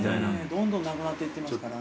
どんどんなくなってってますからね。